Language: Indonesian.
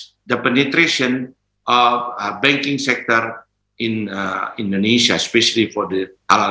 untuk meningkatkan penetrasi sektor bank di indonesia terutama untuk industri halal